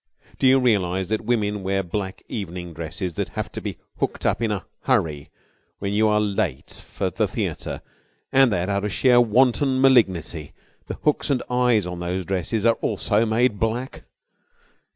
Do you realise that women wear black evening dresses that have to be hooked up in a hurry when you are late for the theatre, and that, out of sheer wanton malignity, the hooks and eyes on those dresses are also made black?